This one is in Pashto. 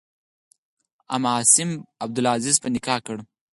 ام عاصم عبدالعزیز په نکاح کړه.